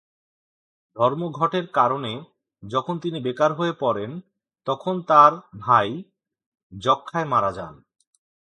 ধর্মঘটের কারণে যখন তিনি বেকার হয়ে পড়েন, তখন তার ভাই যক্ষ্মায় মারা যান।